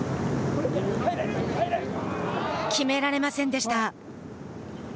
決められませんでした。